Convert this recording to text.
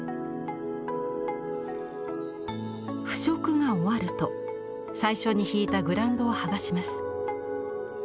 腐食が終わると最初に引いたグランドをはがします。